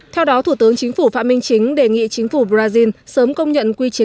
theo đó thủ tướng chính phủ phạm minh chính đề nghị chính phủ brazil sớm công nhận quy chế